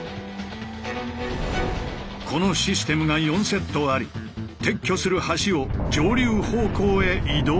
このシステムが４セットあり撤去する橋を上流方向へ移動させる。